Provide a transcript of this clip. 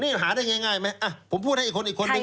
นี่หาได้ง่ายไหมอ่ะผมพูดให้อีกคนอีกคนนึง